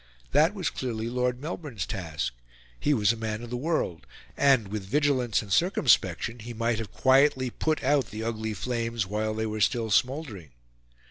That was clearly Lord Melbourne's task; he was a man of the world, and, with vigilance and circumspection, he might have quietly put out the ugly flames while they were still smouldering.